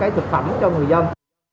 thực phẩm cho người dân